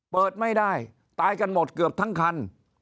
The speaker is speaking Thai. เปิดไม่ได้ตายกันหมดเกือบทั้งคัน